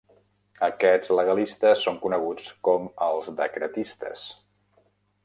Aquests legalistes són coneguts com els decretistes.